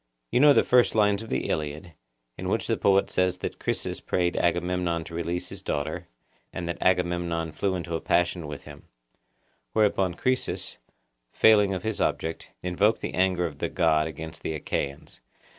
You know the first lines of the Iliad, in which the poet says that Chryses prayed Agamemnon to release his daughter, and that Agamemnon flew into a passion with him; whereupon Chryses, failing of his object, invoked the anger of the God against the Achaeans.